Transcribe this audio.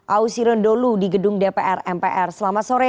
ausirun dholu di gedung dpr mpr selama sore